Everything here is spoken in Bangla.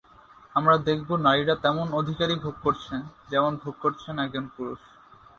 আমরা দেখব, নারীরা তেমন অধিকারই ভোগ করছেন, যেমন ভোগ করছেন একজন পুরুষ।